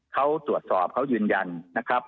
เขาตรวจสอบเขายืนยันนะครับ